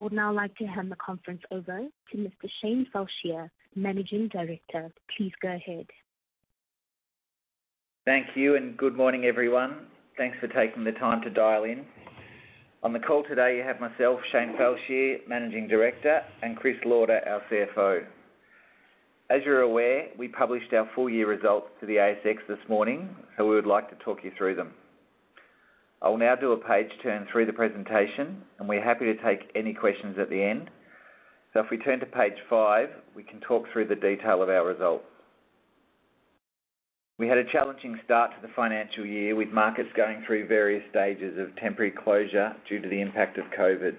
I would now like to hand the conference over to Mr Shane Fallscheer, Managing Director. Please go ahead. Thank you. Good morning, everyone. Thanks for taking the time to dial in. On the call today, you have myself, Shane Fallscheer, Managing Director, and Chris Lauder, our CFO. As you're aware, we published our full year results to the ASX this morning, so we would like to talk you through them. I will now do a page turn through the presentation, and we're happy to take any questions at the end. If we turn to page five, we can talk through the detail of our results. We had a challenging start to the financial year, with markets going through various stages of temporary closure due to the impact of COVID.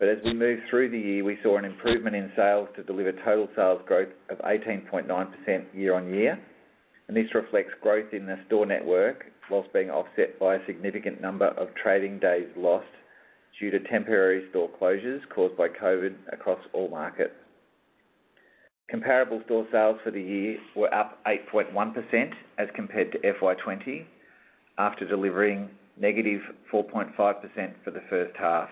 As we moved through the year, we saw an improvement in sales to deliver total sales growth of 18.9% year-on-year. This reflects growth in the store network whilst being offset by a significant number of trading days lost due to temporary store closures caused by COVID across all markets. Comparable store sales for the year were up 8.1% as compared to FY20, after delivering negative 4.5% for the first half,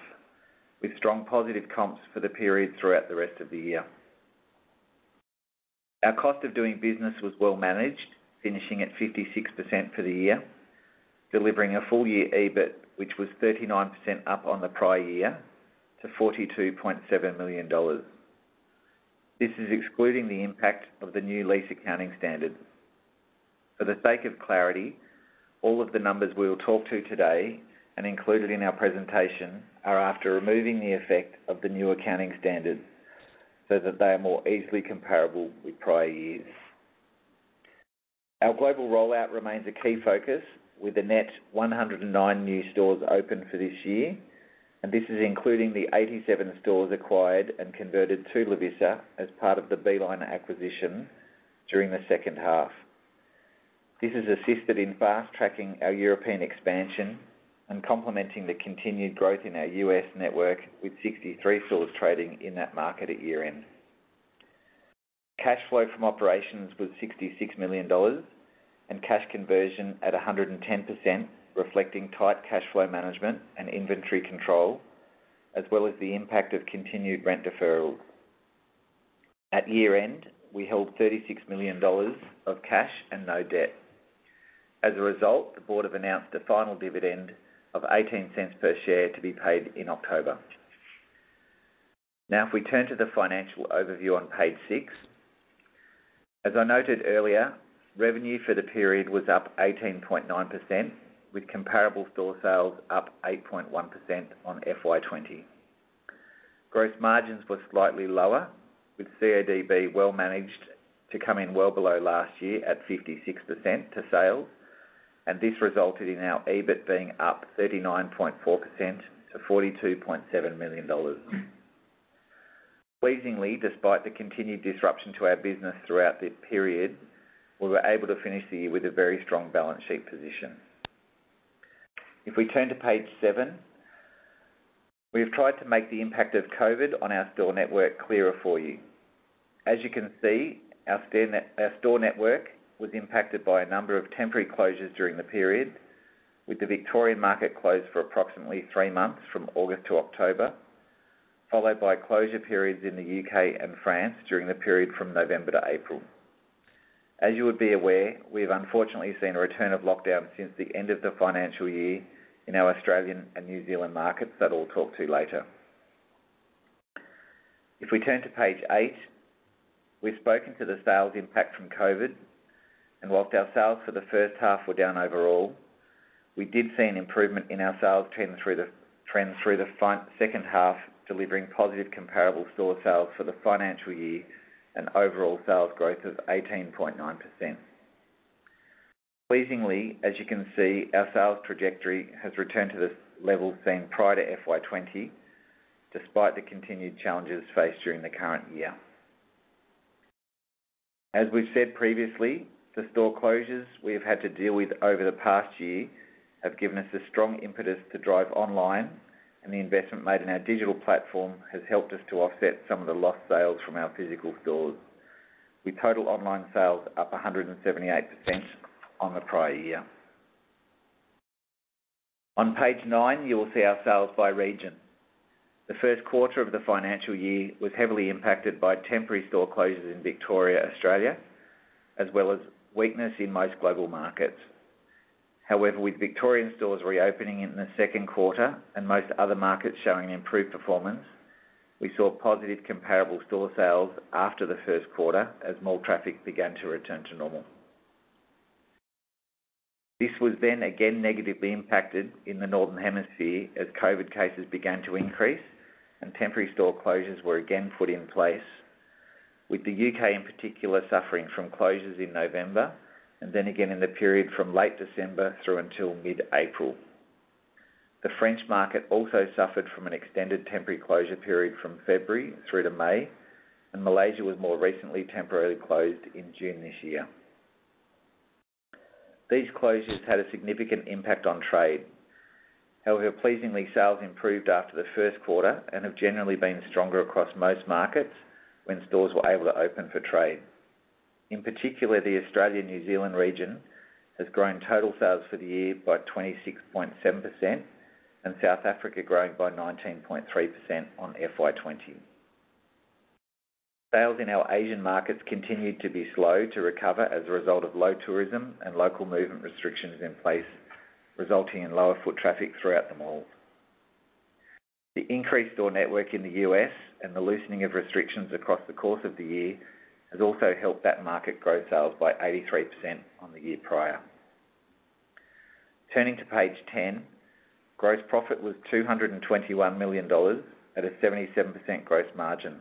with strong positive comps for the period throughout the rest of the year. Our cost of doing business was well managed, finishing at 56% for the year, delivering a full-year EBIT which was 39% up on the prior year to 42.7 million dollars. This is excluding the impact of the new lease accounting standard. For the sake of clarity, all of the numbers we will talk to today and included in our presentation are after removing the effect of the new accounting standard, so that they are more easily comparable with prior years. Our global rollout remains a key focus, with a net 109 new stores open for this year. This is including the 87 stores acquired and converted to Lovisa as part of the Beeline acquisition during the second half. This has assisted in fast-tracking our European expansion and complementing the continued growth in our U.S. network, with 63 stores trading in that market at year-end. Cash flow from operations was 66 million dollars and cash conversion at 110%, reflecting tight cash flow management and inventory control, as well as the impact of continued rent deferrals. At year-end, we held 36 million dollars of cash and no debt. As a result, the board have announced a final dividend of 0.18 per share to be paid in October. Now if we turn to the financial overview on page six. As I noted earlier, revenue for the period was up 18.9%, with comparable store sales up 8.1% on FY 2020. Gross margins were slightly lower, with CODB well managed to come in well below last year at 56% to sales, and this resulted in our EBIT being up 39.4% to 42.7 million dollars. Pleasingly, despite the continued disruption to our business throughout this period, we were able to finish the year with a very strong balance sheet position. If we turn to page seven, we have tried to make the impact of COVID on our store network clearer for you. As you can see, our store network was impacted by a number of temporary closures during the period, with the Victorian market closed for approximately three months from August to October, followed by closure periods in the U.K. and France during the period from November to April. As you would be aware, we've unfortunately seen a return of lockdown since the end of the financial year in our Australian and New Zealand markets that I'll talk to later. If we turn to page eight, we've spoken to the sales impact from COVID, and whilst our sales for the first half were down overall, we did see an improvement in our sales trends through the second half, delivering positive comparable store sales for the financial year and overall sales growth of 18.9%. Pleasingly, as you can see, our sales trajectory has returned to the levels seen prior to FY20, despite the continued challenges faced during the current year. As we've said previously, the store closures we have had to deal with over the past year have given us a strong impetus to drive online, and the investment made in our digital platform has helped us to offset some of the lost sales from our physical stores. With total online sales up 178% on the prior year. On page 9, you will see our sales by region. The first quarter of the financial year was heavily impacted by temporary store closures in Victoria, Australia, as well as weakness in most global markets. With Victorian stores reopening in the second quarter and most other markets showing improved performance, we saw positive comparable store sales after the first quarter as mall traffic began to return to normal. This was then again negatively impacted in the Northern Hemisphere as COVID cases began to increase and temporary store closures were again put in place, with the U.K. in particular suffering from closures in November, and then again in the period from late December through until mid-April. The French market also suffered from an extended temporary closure period from February through to May, and Malaysia was more recently temporarily closed in June this year. These closures had a significant impact on trade. However, pleasingly, sales improved after the first quarter and have generally been stronger across most markets when stores were able to open for trade. In particular, the Australia-New Zealand region has grown total sales for the year by 26.7%, and South Africa growing by 19.3% on FY20. Sales in our Asian markets continued to be slow to recover as a result of low tourism and local movement restrictions in place, resulting in lower foot traffic throughout the malls. The increased store network in the U.S. and the loosening of restrictions across the course of the year has also helped that market grow sales by 83% on the year prior. Turning to page 10, gross profit was 221 million dollars at a 77% gross margin.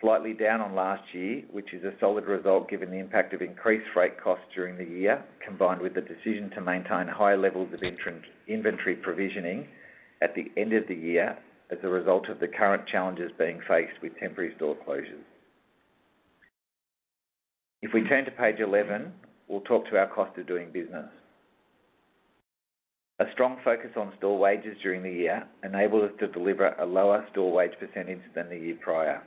Slightly down on last year, which is a solid result given the impact of increased freight costs during the year, combined with the decision to maintain high levels of inventory provisioning at the end of the year as a result of the current challenges being faced with temporary store closures. If we turn to page 11, we'll talk to our cost of doing business. A strong focus on store wages during the year enabled us to deliver a lower store wage percentage than the year prior,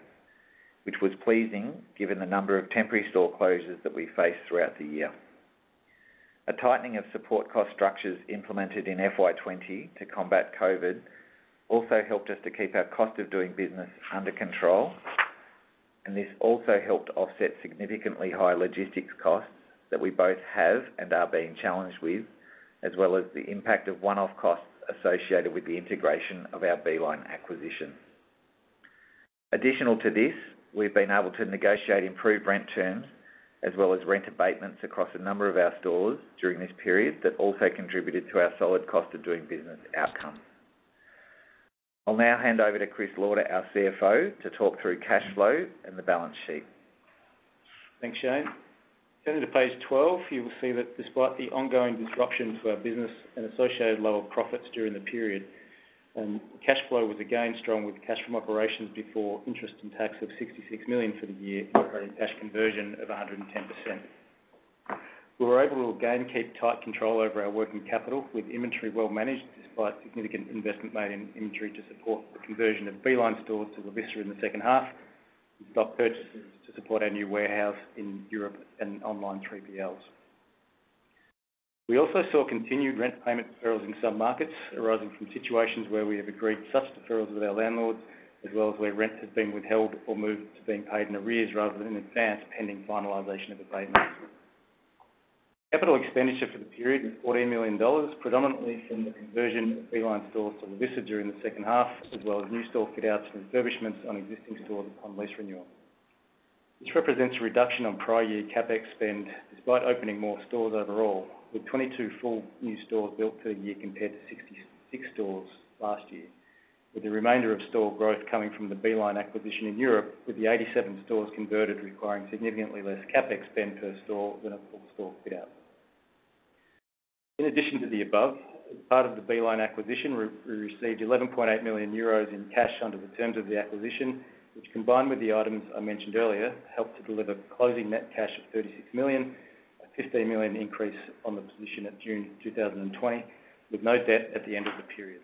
which was pleasing given the number of temporary store closures that we faced throughout the year. A tightening of support cost structures implemented in FY20 to combat COVID also helped us to keep our cost of doing business under control, and this also helped offset significantly higher logistics costs that we both have and are being challenged with, as well as the impact of one-off costs associated with the integration of our Beeline acquisition. Additional to this, we've been able to negotiate improved rent terms as well as rent abatements across a number of our stores during this period that also contributed to our solid cost of doing business outcome. I'll now hand over to Chris Lauder, our CFO, to talk through cash flow and the balance sheet. Thanks, Shane. Turning to page 12, you will see that despite the ongoing disruptions to our business and associated lower profits during the period, cash flow was again strong, with cash from operations before interest and tax of 66 million for the year, operating cash conversion of 110%. We were able to again keep tight control over our working capital, with inventory well managed despite significant investment made in inventory to support the conversion of Beeline stores to Lovisa in the second half, and stock purchases to support our new warehouse in Europe and online 3PLs. We also saw continued rent payment deferrals in some markets arising from situations where we have agreed such deferrals with our landlords, as well as where rent has been withheld or moved to being paid in arrears rather than in advance, pending finalization of abatements. Capital expenditure for the period was 14 million dollars, predominantly from the conversion of Beeline stores to Lovisa during the second half, as well as new store fit-outs and refurbishments on existing stores on lease renewal. This represents a reduction on prior year CapEx spend despite opening more stores overall, with 22 full new stores built for the year compared to 66 stores last year, with the remainder of store growth coming from the Beeline acquisition in Europe, with the 87 stores converted requiring significantly less CapEx spend per store than a full store fit-out. In addition to the above, as part of the Beeline acquisition, we received €11.8 million in cash under the terms of the acquisition, which, combined with the items I mentioned earlier, helped to deliver closing net cash of 36 million, a 15 million increase on the position at June 2020, with no debt at the end of the period.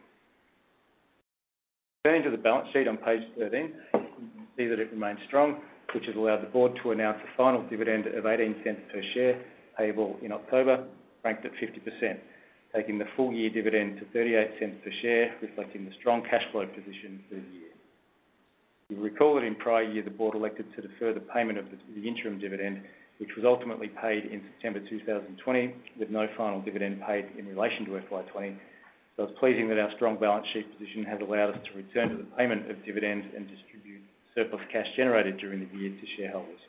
Turning to the balance sheet on page 13, you can see that it remains strong, which has allowed the board to announce a final dividend of 0.18 per share payable in October, franked at 50%, taking the full year dividend to 0.38 per share, reflecting the strong cash flow position for the year. You'll recall that in prior year, the board elected to defer the payment of the interim dividend, which was ultimately paid in September 2020, with no final dividend paid in relation to FY20. It's pleasing that our strong balance sheet position has allowed us to return to the payment of dividends and distribute surplus cash generated during the year to shareholders.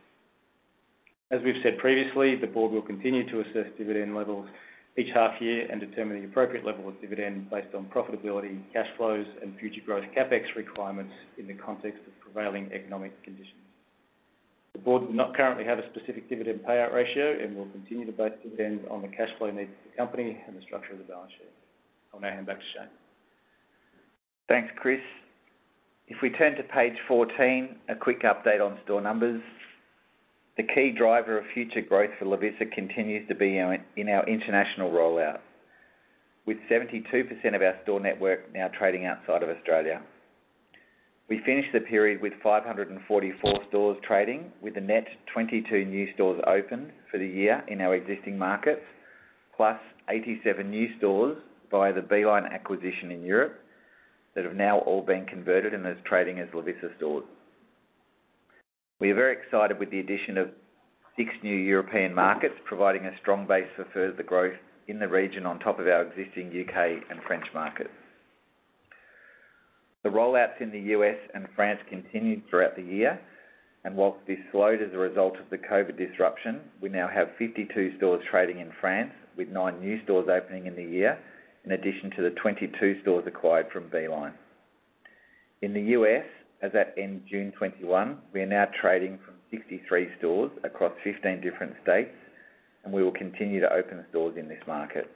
As we've said previously, the board will continue to assess dividend levels each half year and determine the appropriate level of dividend based on profitability, cash flows, and future growth CapEx requirements in the context of prevailing economic conditions. The board does not currently have a specific dividend payout ratio and will continue to base dividends on the cash flow needs of the company and the structure of the balance sheet. I'll now hand back to Shane. Thanks, Chris. If we turn to page 14, a quick update on store numbers. The key driver of future growth for Lovisa continues to be in our international rollout. With 72% of our store network now trading outside of Australia. We finished the period with 544 stores trading, with a net 22 new stores opened for the year in our existing markets, plus 87 new stores via the Beeline acquisition in Europe that have now all been converted and is trading as Lovisa stores. We are very excited with the addition of six new European markets, providing a strong base for further growth in the region on top of our existing U.K. and French markets. The rollouts in the U.S. and France continued throughout the year, and whilst this slowed as a result of the COVID disruption, we now have 52 stores trading in France, with nine new stores opening in the year, in addition to the 22 stores acquired from Beeline. In the U.S., as at end June 2021, we are now trading from 63 stores across 15 different states, and we will continue to open stores in this market.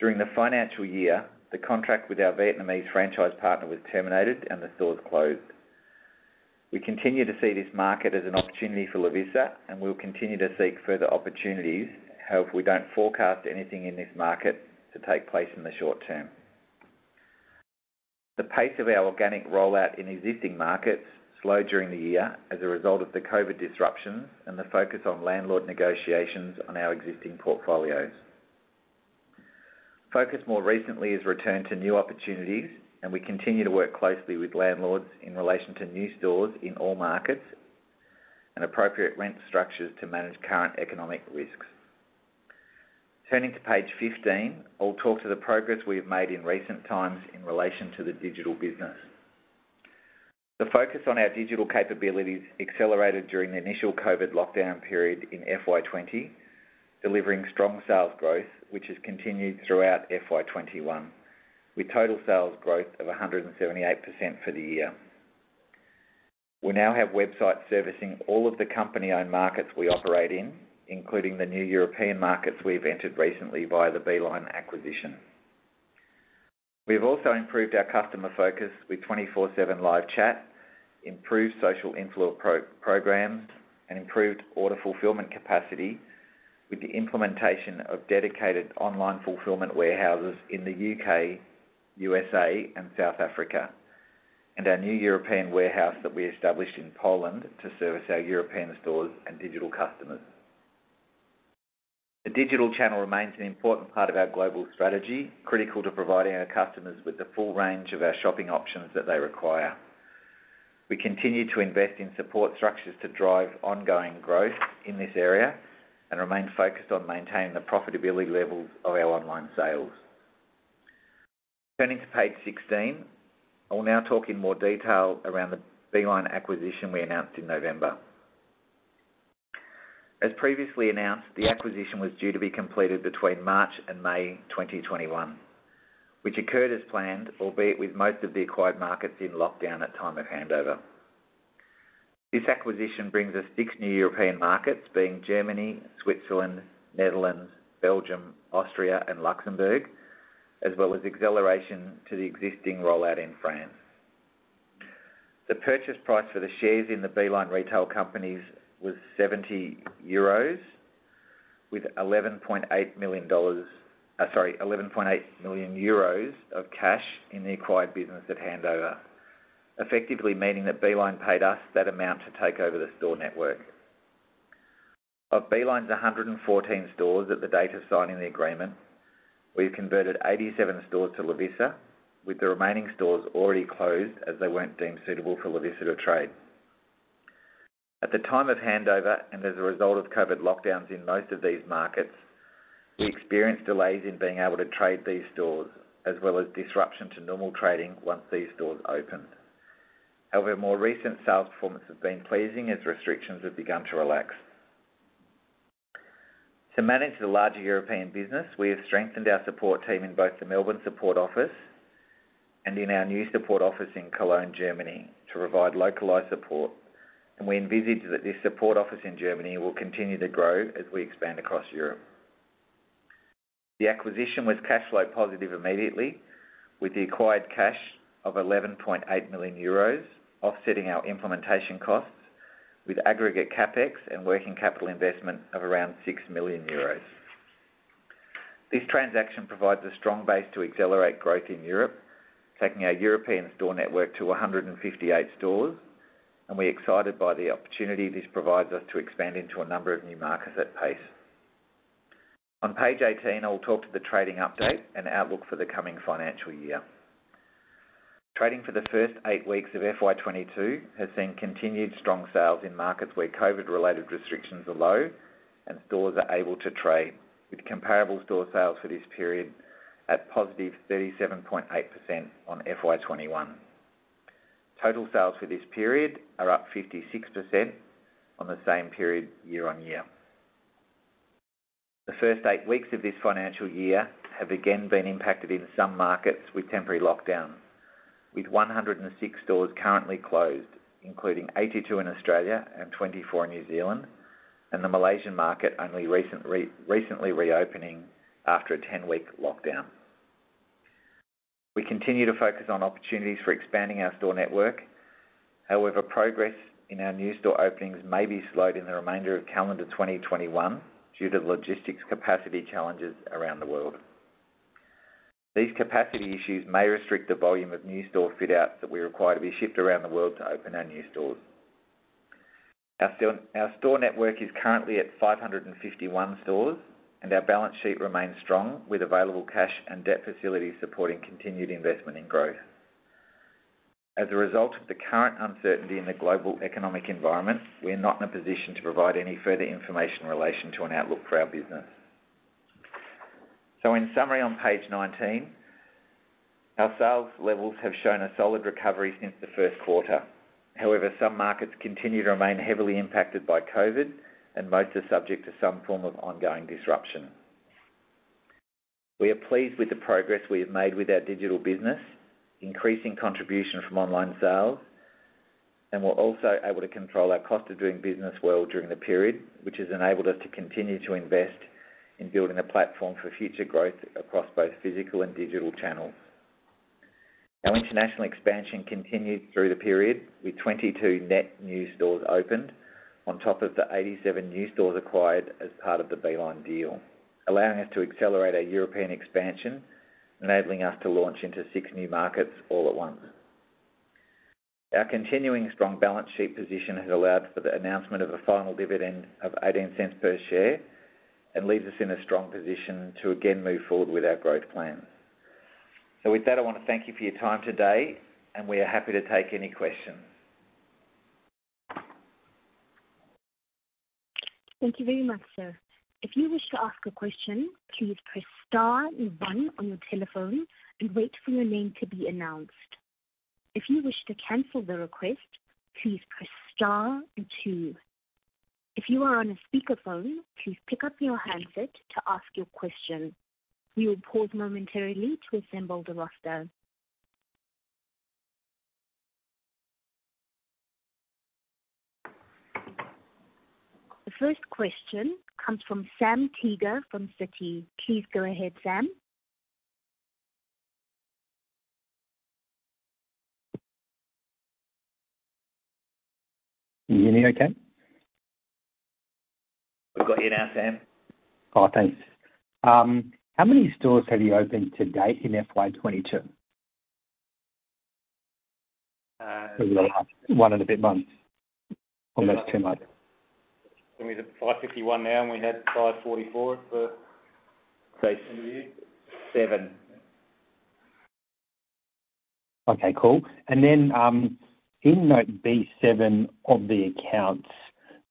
During the financial year, the contract with our Vietnamese franchise partner was terminated and the stores closed. We continue to see this market as an opportunity for Lovisa, and we'll continue to seek further opportunities. We don't forecast anything in this market to take place in the short term. The pace of our organic rollout in existing markets slowed during the year as a result of the COVID disruptions and the focus on landlord negotiations on our existing portfolios. Focus more recently has returned to new opportunities, and we continue to work closely with landlords in relation to new stores in all markets and appropriate rent structures to manage current economic risks. Turning to page 15, I'll talk to the progress we have made in recent times in relation to the digital business. The focus on our digital capabilities accelerated during the initial COVID lockdown period in FY20, delivering strong sales growth, which has continued throughout FY21, with total sales growth of 178% for the year. We now have websites servicing all of the company-owned markets we operate in, including the new European markets we've entered recently via the Beeline acquisition. We have also improved our customer focus with 24/7 live chat, improved social influence programs, and improved order fulfillment capacity with the implementation of dedicated online fulfillment warehouses in the U.K., U.S.A., and South Africa, and our new European warehouse that we established in Poland to service our European stores and digital customers. The digital channel remains an important part of our global strategy, critical to providing our customers with the full range of our shopping options that they require. We continue to invest in support structures to drive ongoing growth in this area and remain focused on maintaining the profitability levels of our online sales. Turning to page 16, I will now talk in more detail around the Beeline acquisition we announced in November. As previously announced, the acquisition was due to be completed between March and May 2021, which occurred as planned, albeit with most of the acquired markets in lockdown at time of handover. This acquisition brings us six new European markets, being Germany, Switzerland, Netherlands, Belgium, Austria, and Luxembourg, as well as acceleration to the existing rollout in France. The purchase price for the shares in the Beeline retail companies was 70 euros, with EUR 11.8 million of cash in the acquired business at handover, effectively meaning that Beeline paid us that amount to take over the store network. Of Beeline's 114 stores at the date of signing the agreement, we've converted 87 stores to Lovisa, with the remaining stores already closed as they weren't deemed suitable for Lovisa to trade. At the time of handover, and as a result of COVID lockdowns in most of these markets, we experienced delays in being able to trade these stores, as well as disruption to normal trading once these stores opened. However, more recent sales performance has been pleasing as restrictions have begun to relax. To manage the larger European business, we have strengthened our support team in both the Melbourne support office and in our new support office in Cologne, Germany to provide localized support, and we envisage that this support office in Germany will continue to grow as we expand across Europe. The acquisition was cash flow positive immediately, with the acquired cash of €11.8 million offsetting our implementation costs with aggregate CapEx and working capital investment of around €6 million. This transaction provides a strong base to accelerate growth in Europe, taking our European store network to 158 stores, and we're excited by the opportunity this provides us to expand into a number of new markets at pace. On page 18, I'll talk to the trading update and outlook for the coming financial year. Trading for the first eight weeks of FY22 has seen continued strong sales in markets where COVID-related restrictions are low and stores are able to trade, with comparable store sales for this period at +37.8% on FY21. Total sales for this period are up 56% on the same period year-on-year. The first eight weeks of this financial year have again been impacted in some markets with temporary lockdown, with 106 stores currently closed, including 82 in Australia and 24 in New Zealand, and the Malaysian market only recently reopening after a 10-week lockdown. We continue to focus on opportunities for expanding our store network. However, progress in our new store openings may be slowed in the remainder of calendar 2021 due to logistics capacity challenges around the world. These capacity issues may restrict the volume of new store fit-outs that we require to be shipped around the world to open our new stores. Our store network is currently at 551 stores, and our balance sheet remains strong with available cash and debt facilities supporting continued investment in growth. As a result of the current uncertainty in the global economic environment, we're not in a position to provide any further information in relation to an outlook for our business. In summary on page 19, our sales levels have shown a solid recovery since the first quarter. Some markets continue to remain heavily impacted by COVID, and most are subject to some form of ongoing disruption. We are pleased with the progress we have made with our digital business, increasing contribution from online sales, and we're also able to control our cost of doing business well during the period, which has enabled us to continue to invest in building a platform for future growth across both physical and digital channels. Our international expansion continued through the period, with 22 net new stores opened on top of the 87 new stores acquired as part of the Beeline deal, allowing us to accelerate our European expansion and enabling us to launch into six new markets all at once. Our continuing strong balance sheet position has allowed for the announcement of a final dividend of 0.18 per share and leaves us in a strong position to again move forward with our growth plans. With that, I want to thank you for your time today, and we are happy to take any questions. Thank you very much, sir. If you wish to ask a question, please press star one on your telephone and wait for your name to be announced. If you wish to cancel the request, please press star two. If you are on a speaker phone, please pick up your handset to ask your question. Please hold momentarily to assemble the roster. The first question comes from Sam Teeger from Citi. Please go ahead, Sam. Can you hear me okay? We've got you now, Sam. Oh, thanks. How many stores have you opened to date in FY22? Uh- One in a bit month or less two month. I mean, there's 551 now and we had 544. Okay The same year, seven. Okay, cool. In note B7 of the accounts,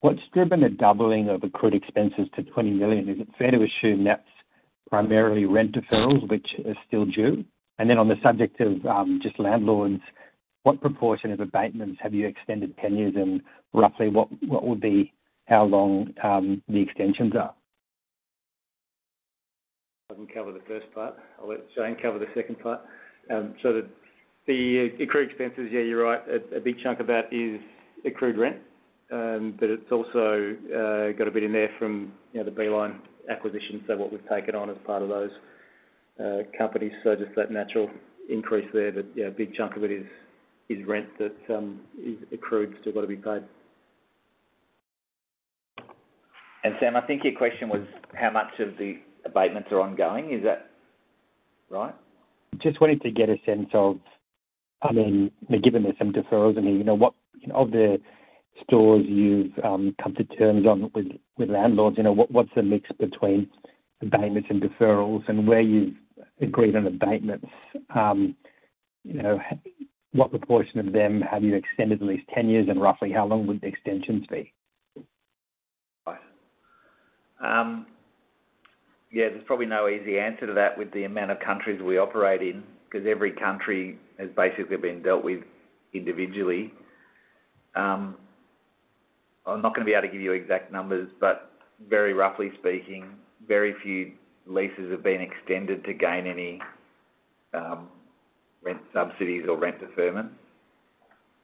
what's driven a doubling of accrued expenses to 20 million? Is it fair to assume that's primarily rent deferrals, which are still due? On the subject of just landlords, what proportion of abatements have you extended tenures and roughly what would be how long the extensions are? I can cover the first part. I'll let Shane cover the second part. The accrued expenses, yeah, you're right. A big chunk of that is accrued rent. It's also got a bit in there from the Beeline acquisition, so what we've taken on as part of those companies. Just that natural increase there, but yeah, a big chunk of it is rent that is accrued, still got to be paid. Sam, I think your question was how much of the abatements are ongoing. Is that right? I mean, given there's some deferrals, of the stores you've come to terms on with landlords, what's the mix between abatements and deferrals and where you've agreed on abatements, what proportion of them have you extended at least 10 years and roughly how long would the extensions be? Right. Yeah, there's probably no easy answer to that with the amount of countries we operate in because every country is basically being dealt with individually. I'm not going to be able to give you exact numbers, but very roughly speaking, very few leases have been extended to gain any rent subsidies or rent deferment.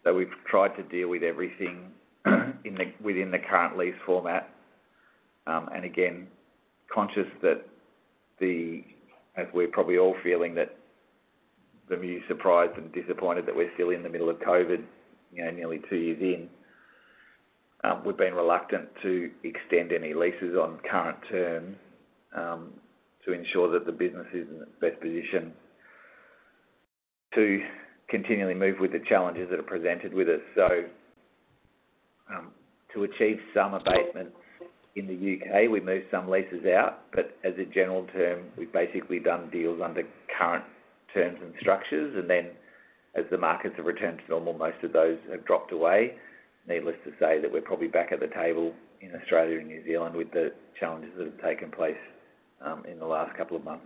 We've tried to deal with everything within the current lease format. Again, conscious that as we're probably all feeling that the new surprise and disappointed that we're still in the middle of COVID, nearly two years in. We've been reluctant to extend any leases on current terms to ensure that the business is in the best position to continually move with the challenges that are presented with it. To achieve some abatements in the U.K., we moved some leases out. As a general term, we've basically done deals under current terms and structures. Then as the markets have returned to normal, most of those have dropped away. Needless to say that we're probably back at the table in Australia and New Zealand with the challenges that have taken place in the last couple of months.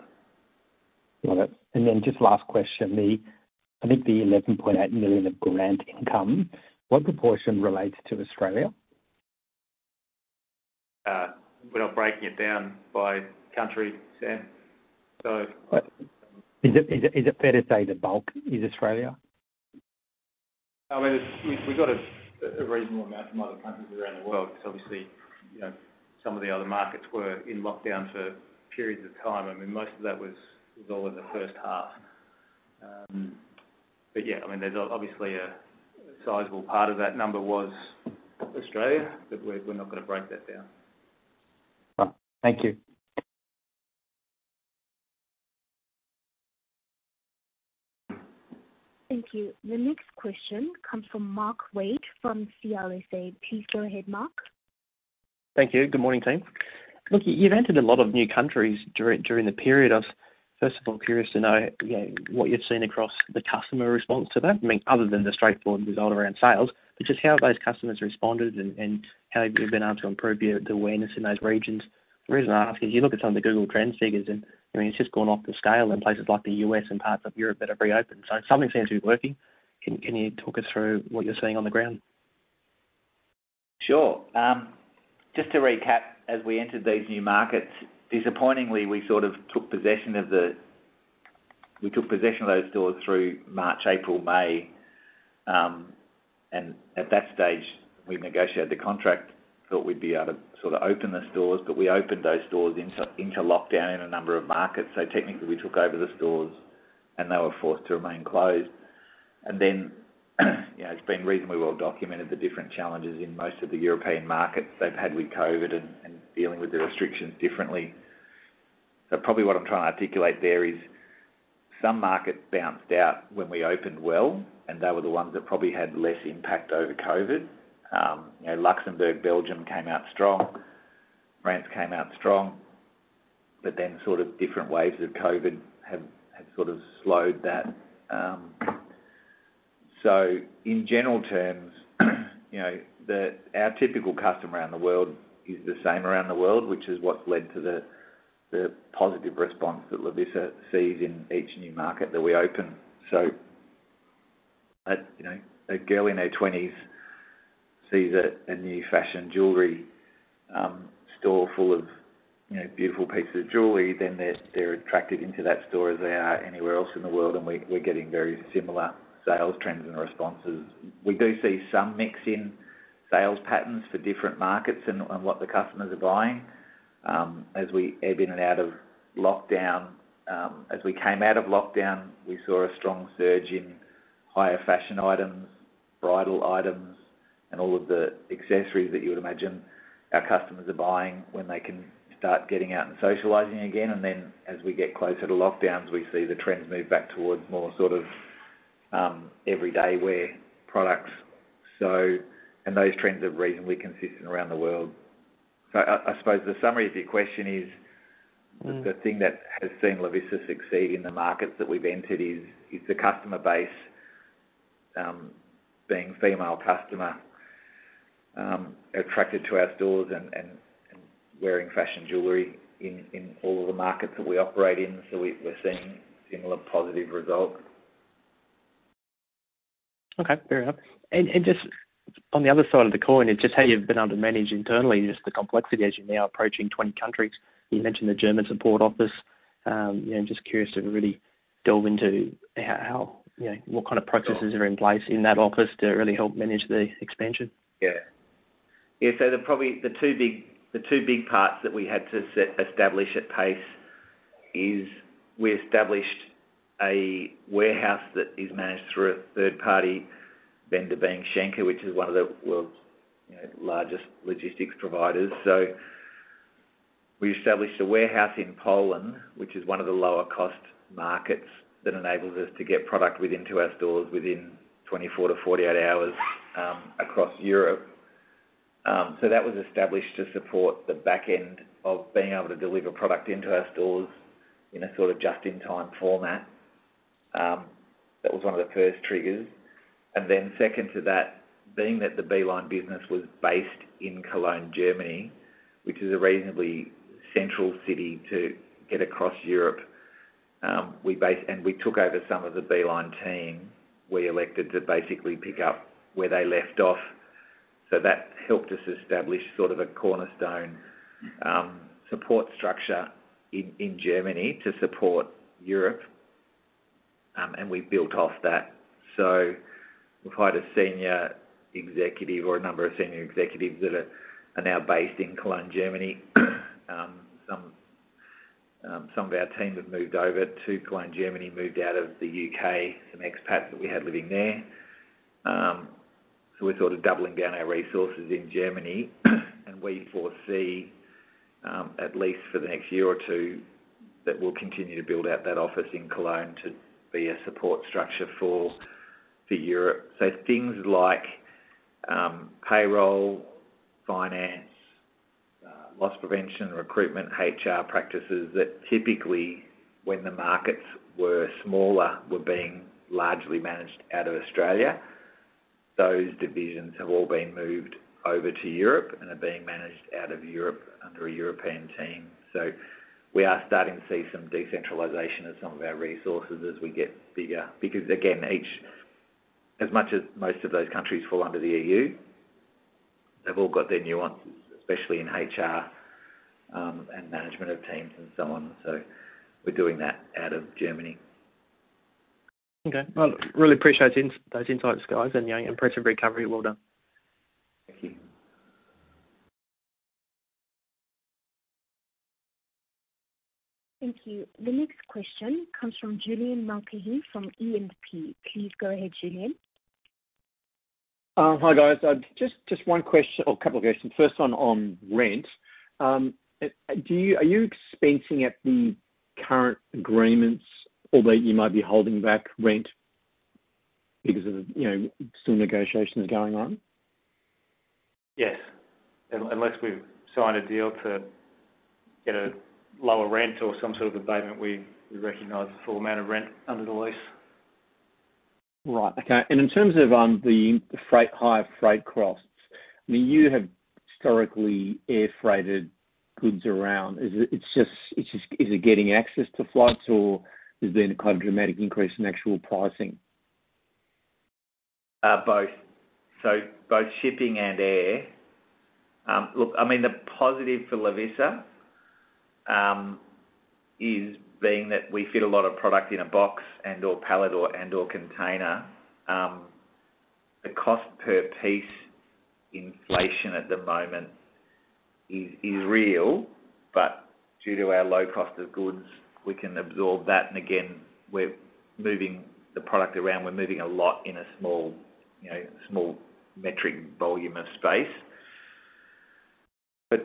Got it. Just last question. I think the 11.8 million of grant income, what proportion relates to Australia? We're not breaking it down by country, Sam. Is it fair to say the bulk is Australia? I mean, we've got a reasonable amount from other countries around the world because obviously some of the other markets were in lockdown for periods of time. I mean, most of that was all in the first half. Yeah, I mean, obviously a sizable part of that number was Australia, but we're not going to break that down. Right. Thank you. Thank you. The next question comes from Mark Wade from CLSA. Please go ahead, Mark. Thank you. Good morning, team. Look, you've entered a lot of new countries during the period. I was first of all curious to know what you've seen across the customer response to that, I mean, other than the straightforward result around sales, but just how have those customers responded and how you've been able to improve the awareness in those regions. The reason I ask is you look at some of the Google Trends figures and, I mean, it's just gone off the scale in places like the U.S. and parts of Europe that have reopened. Something seems to be working. Can you talk us through what you're seeing on the ground? Sure. Just to recap, as we entered these new markets, disappointingly, we took possession of those stores through March, April, May. At that stage, we negotiated the contract, thought we'd be able to open the stores, but we opened those stores into lockdown in a number of markets. Technically, we took over the stores and they were forced to remain closed. It's been reasonably well documented the different challenges in most of the European markets they've had with COVID and dealing with the restrictions differently. Probably what I'm trying to articulate there is some markets bounced out when we opened well, and they were the ones that probably had less impact over COVID. Luxembourg, Belgium came out strong. France came out strong. Different waves of COVID have sort of slowed that. In general terms, our typical customer around the world is the same around the world, which is what's led to the positive response that Lovisa sees in each new market that we open. A girl in her 20s sees a new fashion jewelry store full of beautiful pieces of jewelry, then they're attracted into that store as they are anywhere else in the world, and we're getting very similar sales trends and responses. We do see some mix in sales patterns for different markets and what the customers are buying as we ebb in and out of lockdown. As we came out of lockdown, we saw a strong surge in higher fashion items, bridal items, and all of the accessories that you would imagine our customers are buying when they can start getting out and socializing again. As we get closer to lockdowns, we see the trends move back towards more everyday wear products. Those trends are reasonably consistent around the world. I suppose the summary of your question is. the thing that has seen Lovisa succeed in the markets that we've entered is the customer base, being female customer, attracted to our stores and wearing fashion jewelry in all of the markets that we operate in. We're seeing similar positive results. Okay. Fair enough. Just on the other side of the coin, and just how you've been able to manage internally, just the complexity as you're now approaching 20 countries. You mentioned the German support office. I'm just curious to really delve into what kind of processes are in place in that office to really help manage the expansion. Probably the two big parts that we had to establish at pace is we established a warehouse that is managed through a third-party vendor, being DB Schenker, which is one of the world's largest logistics providers. We established a warehouse in Poland, which is one of the lower cost markets that enables us to get product into our stores within 24 hours-48 hours across Europe. That was established to support the back end of being able to deliver product into our stores in a just-in-time format. That was one of the first triggers. Then second to that, being that the Beeline business was based in Cologne, Germany, which is a reasonably central city to get across Europe, and we took over some of the Beeline team. We elected to basically pick up where they left off. That helped us establish sort of a cornerstone support structure in Germany to support Europe, and we've built off that. We've hired a senior executive or a number of senior executives that are now based in Cologne, Germany. Some of our team have moved over to Cologne, Germany, moved out of the U.K., some expats that we had living there. We're sort of doubling down our resources in Germany and we foresee, at least for the next year or two, that we'll continue to build out that office in Cologne to be a support structure for Europe. Things like payroll, finance, loss prevention, recruitment, HR practices that typically, when the markets were smaller, were being largely managed out of Australia. Those divisions have all been moved over to Europe and are being managed out of Europe under a European team. We are starting to see some decentralization of some of our resources as we get bigger, because again, as much as most of those countries fall under the EU, they've all got their nuances, especially in HR, and management of teams and so on. We're doing that out of Germany. Okay. Well, really appreciate those insights, guys, and impressive recovery. Well done. Thank you. Thank you. The next question comes from Julian Mulcahy from E&P. Please go ahead, Julian. Hi, guys. Just one question or a couple of questions. First one on rent. Are you expensing at the current agreements, although you might be holding back rent because of some negotiations going on? Yes. Unless we've signed a deal to get a lower rent or some sort of abatement, we recognize the full amount of rent under the lease. Right. Okay. In terms of the higher freight costs, you have historically air freighted goods around. Is it getting access to flights or has there been a kind of dramatic increase in actual pricing? Both. Both shipping and air. Look, the positive for Lovisa is being that we fit a lot of product in a box and/or pallet and/or container. The cost per piece inflation at the moment is real, but due to our low cost of goods, we can absorb that. Again, we're moving the product around. We're moving a lot in a small metric volume of space.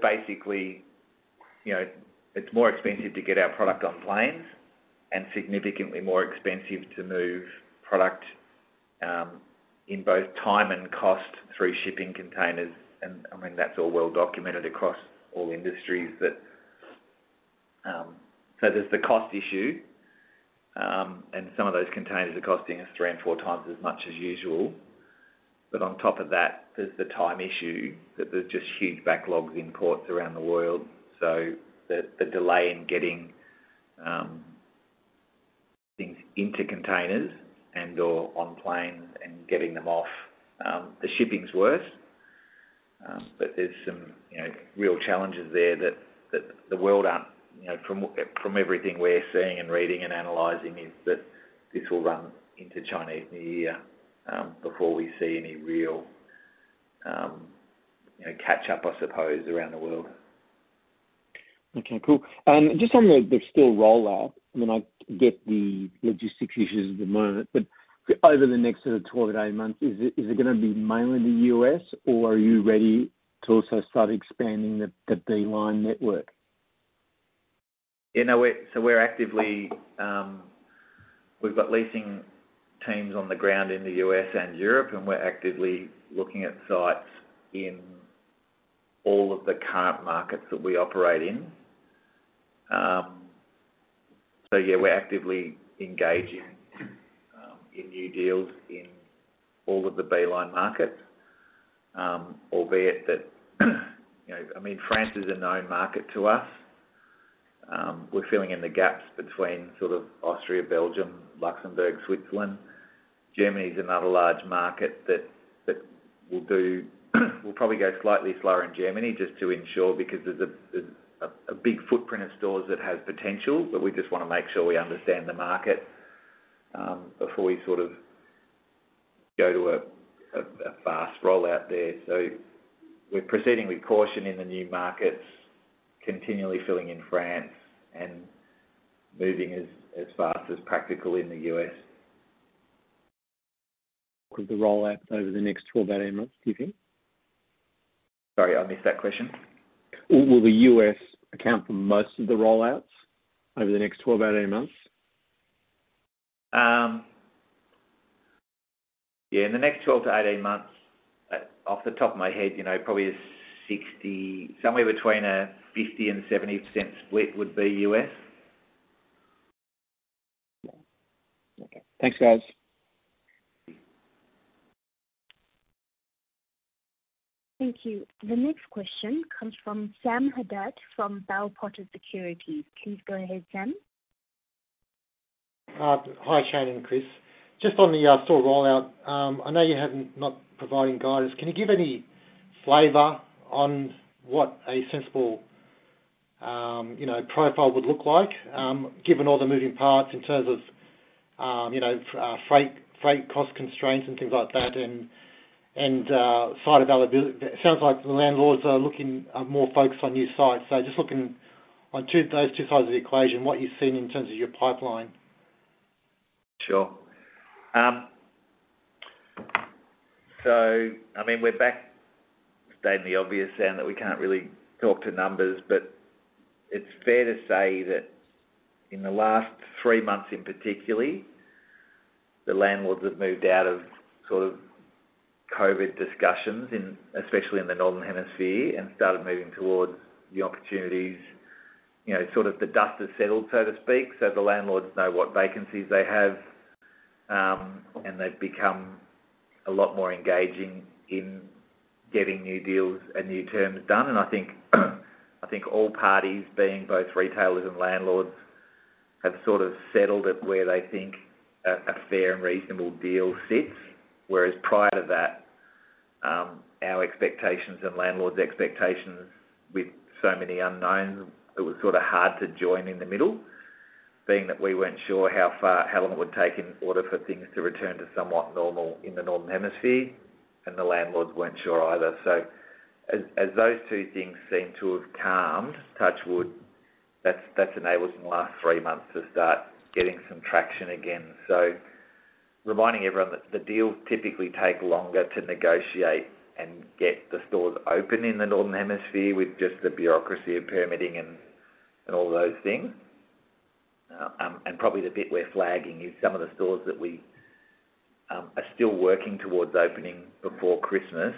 Basically, it's more expensive to get our product on planes and significantly more expensive to move product, in both time and cost, through shipping containers. That's all well documented across all industries. There's the cost issue, and some of those containers are costing us 3x and 4x as much as usual. On top of that, there's the time issue, that there's just huge backlogs in ports around the world. The delay in getting things into containers and/or on planes and getting them off. The shipping's worse. There's some real challenges there. From everything we're seeing and reading and analyzing, is that this will run into Chinese New Year before we see any real catch up, I suppose, around the world. Okay, cool. Just on the store rollout. I get the logistics issues at the moment. Over the next sort of 12 months-18 months, is it going to be mainly the U.S., or are you ready to also start expanding the Beeline network? We've got leasing teams on the ground in the U.S. and Europe, and we're actively looking at sites in all of the current markets that we operate in. We're actively engaging in new deals in all of the Beeline markets. Albeit that, France is a known market to us. We're filling in the gaps between Austria, Belgium, Luxembourg, Switzerland. Germany is another large market that we'll do probably go slightly slower in Germany just to ensure, because there's a big footprint of stores that have potential, but we just want to make sure we understand the market, before we sort of go to a fast rollout there. We're proceeding with caution in the new markets, continually filling in France and moving as fast as practical in the U.S. With the rollout over the next 12 months, 18 months, do you think? Sorry, I missed that question. Will the U.S. account for most of the rollouts over the next 12 months, 18 months? Yeah, in the next 12 months-18 months, off the top of my head, probably 60%, somewhere between a 50% and 70% split would be U.S. Okay. Thanks, guys. Thank you. The next question comes from Sam Haddad from Bell Potter Securities. Please go ahead, Sam. Hi, Shane and Chris. Just on the store rollout. I know you are not providing guidance. Can you give any flavor on what a sensible profile would look like, given all the moving parts in terms of freight cost constraints and things like that and site availability? It sounds like the landlords are more focused on new sites. Just looking on those two sides of the equation, what you are seeing in terms of your pipeline. Sure. We're back stating the obvious and that we can't really talk to numbers, but it's fair to say that in the last three months in particular, the landlords have moved out of COVID discussions, especially in the northern hemisphere, and started moving towards new opportunities. The dust has settled, so to speak, so the landlords know what vacancies they have, and they've become a lot more engaging in getting new deals and new terms done. I think all parties, being both retailers and landlords, have settled at where they think a fair and reasonable deal sits. Whereas prior to that, our expectations and landlords' expectations with so many unknowns, it was hard to join in the middle being that we weren't sure how long it would take in order for things to return to somewhat normal in the northern hemisphere, and the landlords weren't sure either. As those two things seem to have calmed, touch wood, that's enabled in the last three months to start getting some traction again. Reminding everyone that the deals typically take longer to negotiate and get the stores open in the northern hemisphere with just the bureaucracy of permitting and all those things. Probably the bit we're flagging is some of the stores that we are still working towards opening before Christmas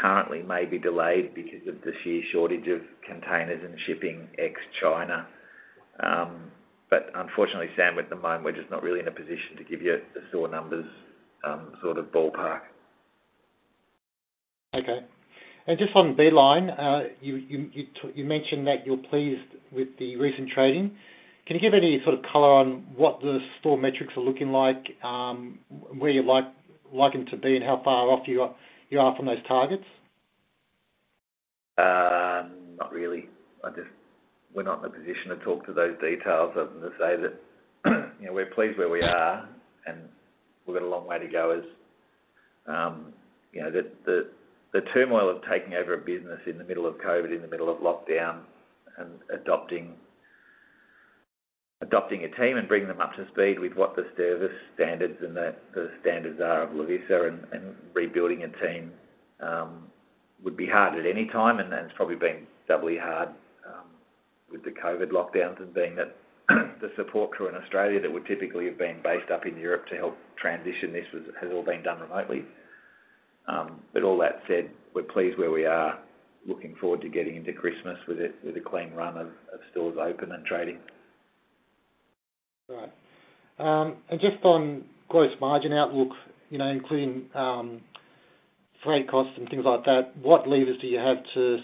currently may be delayed because of the sheer shortage of containers and shipping ex-China. Unfortunately, Sam, at the moment, we're just not really in a position to give you the store numbers ballpark. Okay. Just on Beeline, you mentioned that you're pleased with the recent trading. Can you give any sort of color on what the store metrics are looking like, where you'd like them to be, and how far off you are from those targets? Not really. We're not in a position to talk to those details other than to say that we're pleased where we are, and we've got a long way to go as the turmoil of taking over a business in the middle of COVID, in the middle of lockdown and adopting a team and bringing them up to speed with what the service standards and the standards are of Lovisa and rebuilding a team would be hard at any time, and it's probably been doubly hard with the COVID lockdowns and being that the support crew in Australia that would typically have been based up in Europe to help transition this has all been done remotely. All that said, we're pleased where we are, looking forward to getting into Christmas with a clean run of stores open and trading. Right. Just on gross margin outlook, including freight costs and things like that, what levers do you have to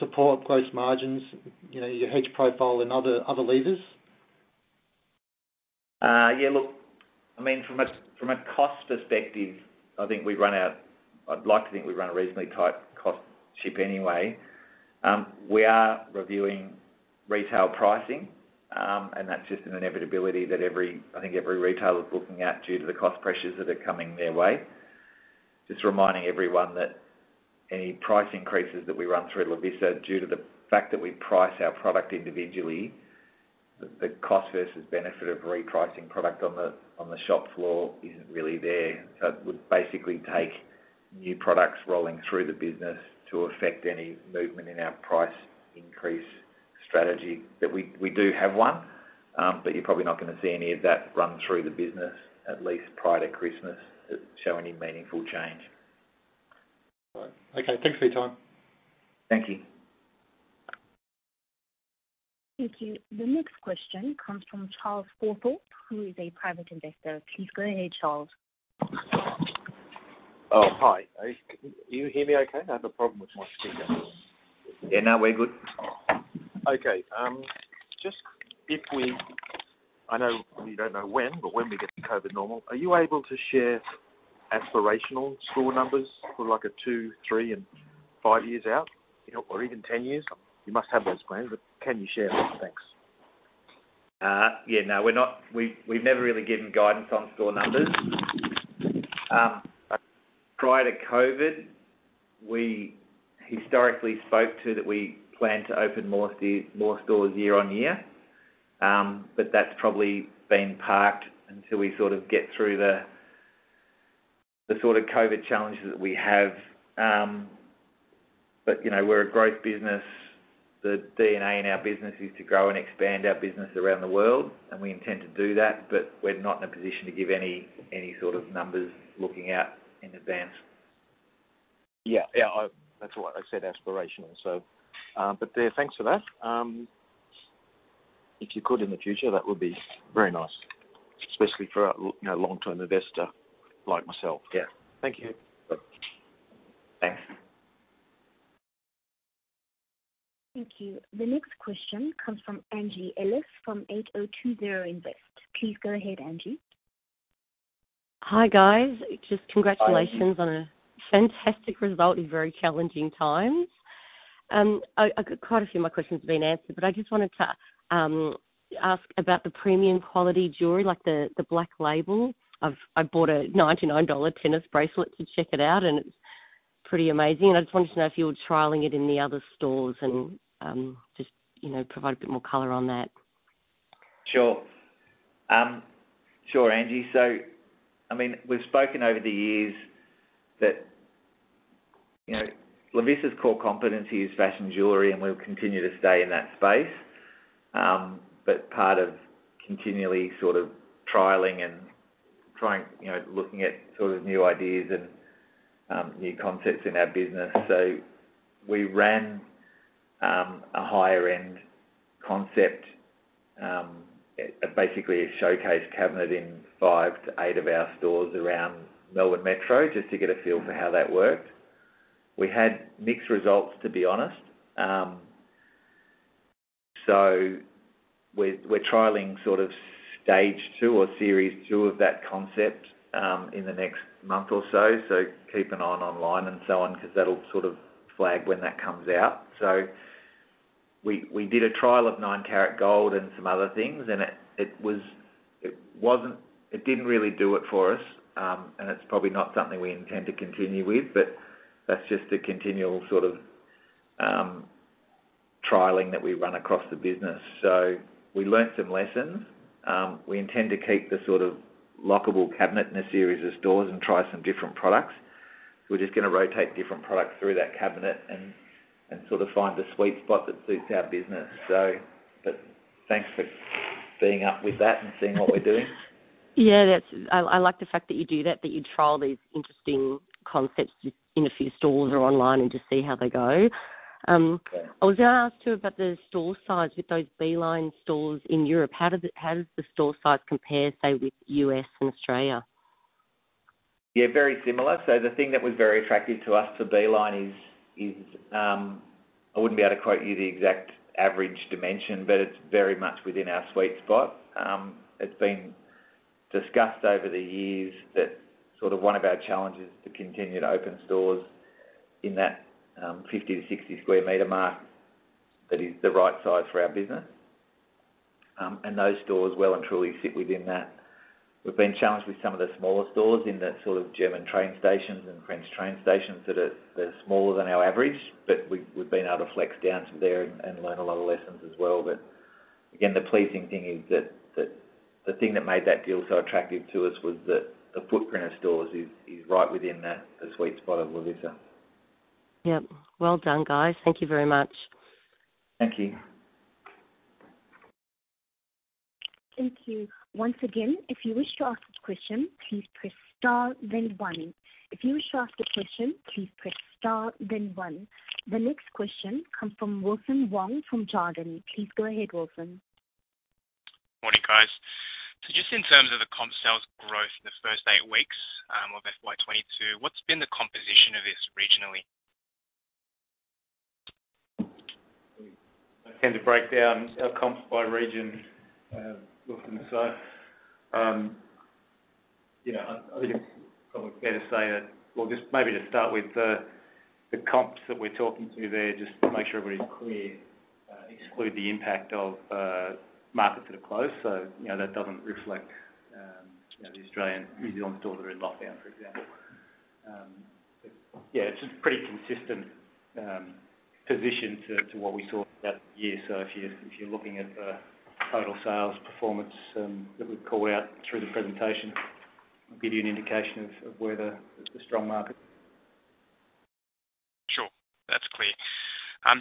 support gross margins, your hedge profile and other levers? Yeah. Look, from a cost perspective, I'd like to think we run a reasonably tight cost ship anyway. We are reviewing retail pricing, that's just an inevitability that I think every retailer is looking at due to the cost pressures that are coming their way. Just reminding everyone that any price increases that we run through Lovisa due to the fact that we price our product individually, the cost versus benefit of repricing product on the shop floor isn't really there. It would basically take new products rolling through the business to affect any movement in our price increase strategy. That we do have one. You're probably not going to see any of that run through the business, at least prior to Christmas, show any meaningful change. Right. Okay, thanks for your time. Thank you. Thank you. The next question comes from Charles Thorpe, who is a private investor. Please go ahead, Charles. Oh, hi. Can you hear me okay? I have a problem with my speaker. Yeah, now we are good. Okay. I know we don't know when, but when we get to COVID normal, are you able to share aspirational store numbers for like a two years, three years and five years out? Or even 10 years? You must have those plans, but can you share? Thanks. Yeah. No, we've never really given guidance on store numbers. Prior to COVID, we historically spoke to that we plan to open more stores year on year. That's probably been parked until we get through the sort of COVID challenges that we have. We're a growth business. The DNA in our business is to grow and expand our business around the world, and we intend to do that, but we're not in a position to give any sort of numbers looking out in advance. Yeah. That's why I said aspirational. Thanks for that. If you could in the future, that would be very nice, especially for a long-term investor like myself. Yeah. Thank you. Bye. Thanks. Thank you. The next question comes from Angie Ellis from 8020Invest. Please go ahead, Angie. Hi, guys. Just congratulations on a fantastic result in very challenging times. Quite a few of my questions have been answered, but I just wanted to ask about the premium quality jewelry, like the black label. I bought a 99 dollar tennis bracelet to check it out and it's pretty amazing. I just wanted to know if you were trialing it in the other stores and just provide a bit more color on that. Sure. Sure, Angie. We've spoken over the years that Lovisa's core competency is fashion jewelry and we'll continue to stay in that space. Part of continually trialing and looking at new ideas and new concepts in our business, we ran a higher end concept, basically a showcase cabinet in 5-8 of our stores around Melbourne Metro, just to get a feel for how that worked. We had mixed results, to be honest. We're trialing stage two or series two of that concept in the next month or so. Keep an eye online and so on, because that'll flag when that comes out. We did a trial of nine carat gold and some other things, and it didn't really do it for us. It's probably not something we intend to continue with, but that's just a continual trialing that we run across the business. We learned some lessons. We intend to keep the lockable cabinet in a series of stores and try some different products. We're just going to rotate different products through that cabinet and find the sweet spot that suits our business. Thanks for being up with that and seeing what we're doing. Yeah. I like the fact that you do that you trial these interesting concepts just in a few stores or online and just see how they go. Yeah. I was going to ask too about the store size with those Beeline stores in Europe. How does the store size compare, say with U.S. and Australia? Yeah, very similar. The thing that was very attractive to us for Beeline is, I wouldn't be able to quote you the exact average dimension, but it's very much within our sweet spot. It's been discussed over the years that one of our challenges to continue to open stores in that 50 sq-60 sq m mark that is the right size for our business. Those stores well and truly sit within that. We've been challenged with some of the smaller stores in the sort of German train stations and French train stations that are smaller than our average, but we've been able to flex down to there and learn a lot of lessons as well. Again, the pleasing thing is that the thing that made that deal so attractive to us was that the footprint of stores is right within that sweet spot of Lovisa. Yep. Well done, guys. Thank you very much. Thank you. Thank you. The next question come from Wilson Wong from Jarden. Please go ahead, Wilson. Morning, guys. Just in terms of the comp sales growth in the first eight weeks of FY2022, what's been the composition of this regionally? I tend to break down our comps by region, Wilson. I think it's probably fair to say that. Well, just maybe to start with the comps that we're talking to there, just to make sure everybody's clear, exclude the impact of markets that are closed. That doesn't reflect the Australian, New Zealand stores that are in lockdown, for example. Yeah, it's a pretty consistent position to what we saw that year. If you're looking at the total sales performance that we call out through the presentation, it'll give you an indication of where the strong market is. Sure. That's clear.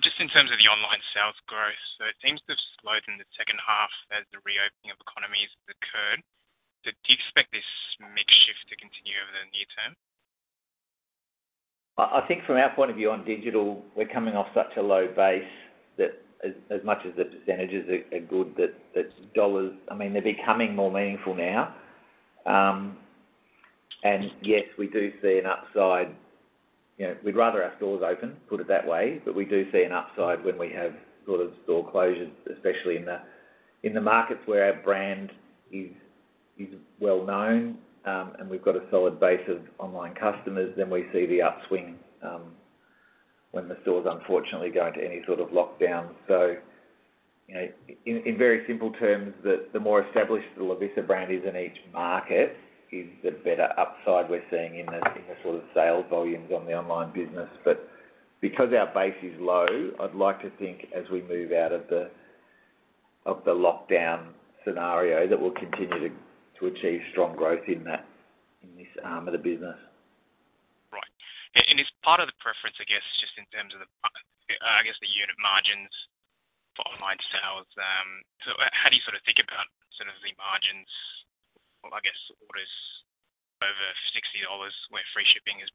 Just in terms of the online sales growth, it seems to have slowed in the second half as the reopening of economies occurred. Do you expect this mix shift to continue over the near term? I think from our point of view on digital, we're coming off such a low base that as much as the % are good, that dollars, they're becoming more meaningful now. Yes, we do see an upside. We'd rather have stores open, put it that way, but we do see an upside when we have store closures, especially in the markets where our brand is well known and we've got a solid base of online customers, then we see the upswing when the stores unfortunately go into any sort of lockdown. In very simple terms, the more established the Lovisa brand is in each market is the better upside we're seeing in the sort of sales volumes on the online business. Because our base is low, I'd like to think as we move out of the lockdown scenario, that we'll continue to achieve strong growth in this arm of the business. Right. Is part of the preference, I guess, just in terms of the unit margins for online sales. How do you think about the margins for orders over 60 dollars where free shipping is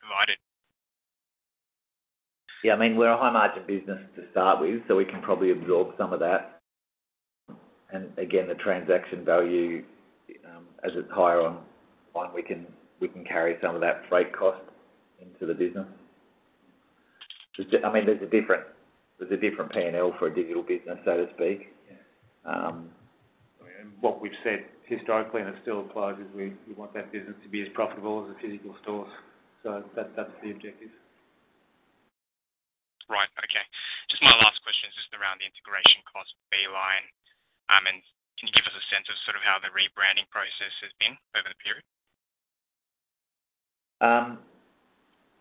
provided? We're a high-margin business to start with, so we can probably absorb some of that. Again, the transaction value as it's higher online, we can carry some of that freight cost into the business. There's a different P&L for a digital business, so to speak. Yeah. What we've said historically in a store closes, we want that business to be as profitable as the physical stores. That's the objective. Right. Okay. Just my last question is just around the integration cost for Beeline. Can you give us a sense of how the rebranding process has been over the period?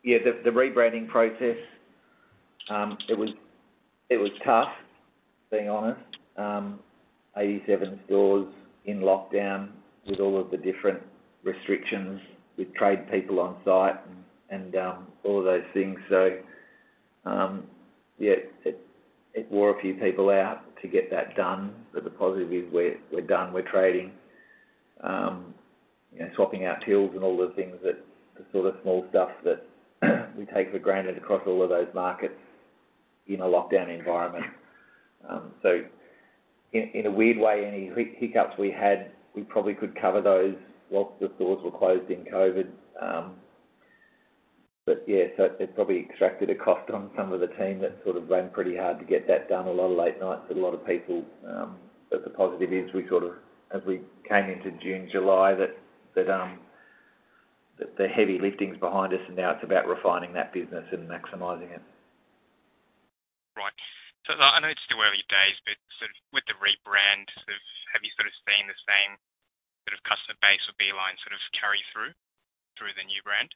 Yeah, the rebranding process, it was tough, being honest. 87 stores in lockdown with all of the different restrictions, with trade people on site and all of those things. Yeah, it wore a few people out to get that done. The positive is we're done, we're trading. Swapping out tools and all the things that, the sort of small stuff that we take for granted across all of those markets in a lockdown environment. In a weird way, any hiccups we had, we probably could cover those whilst the stores were closed in COVID. Yeah, it probably extracted a cost on some of the team that ran pretty hard to get that done. A lot of late nights with a lot of people. The positive is as we came into June, July, the heavy lifting is behind us, and now it's about refining that business and maximizing it. I know it's still early days, but with the rebrand, have you seen the same customer base of Beeline sort of carry through the new brand?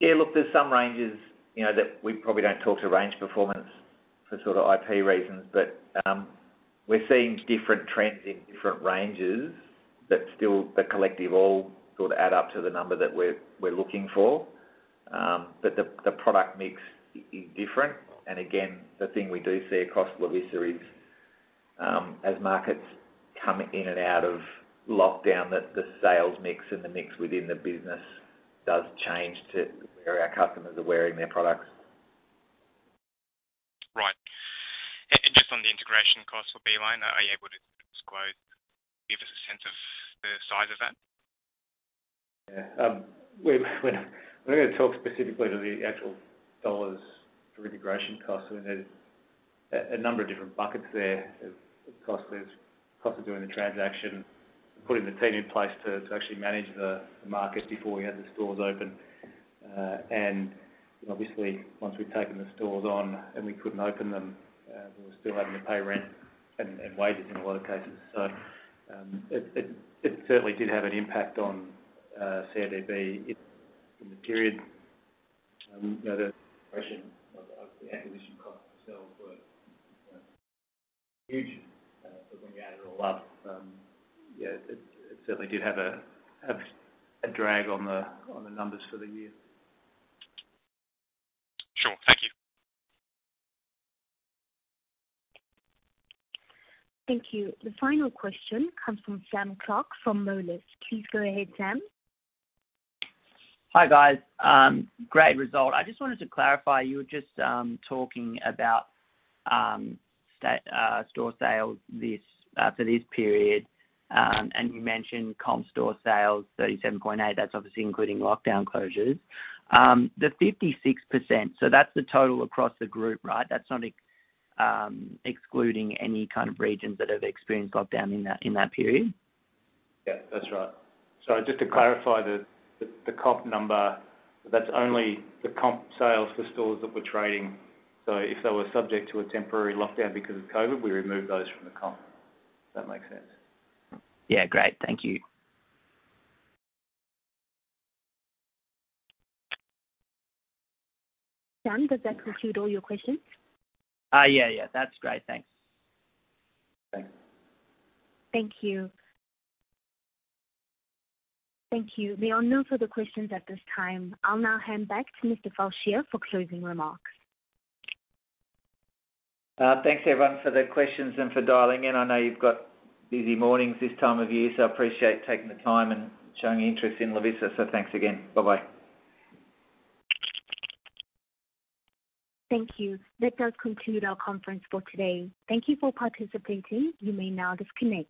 Yeah, look, there's some ranges that we probably don't talk to range performance for sort of IP reasons. We're seeing different trends in different ranges that still the collective all add up to the number that we're looking for. The product mix is different. Again, the thing we do see across Lovisa is as markets come in and out of lockdown, that the sales mix and the mix within the business does change to where our customers are wearing their products. Right. Just on the integration cost for Beeline, are you able to disclose, give us a sense of the size of that? We're going to talk specifically to the actual dollars for integration cost. There's a number of different buckets there of cost. There's cost of doing the transaction, putting the team in place to actually manage the market before we had the stores open, obviously, once we'd taken the stores on and we couldn't open them. We were still having to pay rent and wages in a lot of cases. It certainly did have an impact on CODB in the period. The depression of the acquisition costs themselves were huge, when you add it all up, it certainly did have a drag on the numbers for the year. Sure. Thank you. Thank you. The final question comes from Sam Clarke from Moelis. Please go ahead, Sam. Hi, guys. Great result. I just wanted to clarify, you were just talking about store sales for this period, and you mentioned comp store sales, 37.8. That's obviously including lockdown closures. The 56%, that's the total across the group, right? That's not excluding any kind of regions that have experienced lockdown in that period? Yeah, that's right. Just to clarify the comp number, that's only the comp sales for stores that were trading. If they were subject to a temporary lockdown because of COVID, we removed those from the comp. Does that make sense? Yeah, great. Thank you. Sam, does that conclude all your questions? Yeah. That's great. Thanks. Thanks. Thank you. Thank you. There are no further questions at this time. I will now hand back to Mr. Fallscheer for closing remarks. Thanks, everyone, for the questions and for dialing in. I know you've got busy mornings this time of year, so I appreciate taking the time and showing interest in Lovisa, so thanks again. Bye-bye. Thank you. That does conclude our conference for today. Thank you for participating. You may now disconnect.